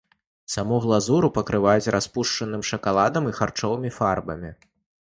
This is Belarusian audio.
Саму глазуру пакрываюць распушчаным шакаладам і харчовымі фарбамі.